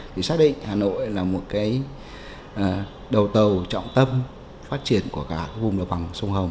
thì xác định hà nội là một cái đầu tàu trọng tâm phát triển của cả vùng đồng bằng sông hồng